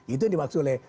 itu yang dimaksud oleh